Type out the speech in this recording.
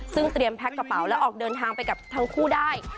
ซึ่งเตรียมแพ็คกระเป๋าแล้วออกเดินทางไปกับทั้งคู่ได้